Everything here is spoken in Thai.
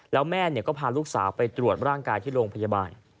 แล้วแม่ก็พาลูกสาวไปตรวจร่างกายที่โรงพยาบาล